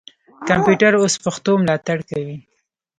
کمپیوټر اوس پښتو ملاتړ کوي.